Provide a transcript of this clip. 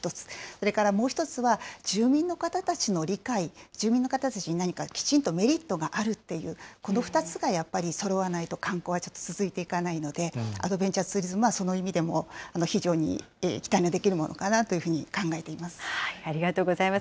それからもう１つは、住民の方たちの理解、住民の方たちに何かきちんとメリットがあるっていう、この２つがやっぱりそろわないと観光は続いていかないので、アドベンチャーツーリズムは、その意味でも非常に期待のできるものかなというふうに考えていまありがとうございます。